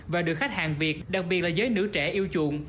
và được khách hàng việt đặc biệt là giới nữ trẻ yêu chuộng